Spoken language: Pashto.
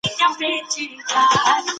استازي به د ټولني د فکري رغوني لپاره کار کوي.